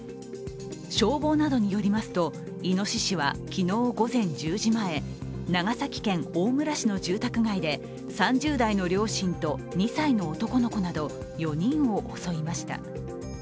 消防などによりますといのししは昨日午前１０時前長崎県大村市の住宅街で３０代の両親と２歳の男の子など４人を襲いました。